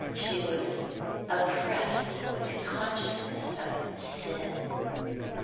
She was oppressed with the consciousness of sin.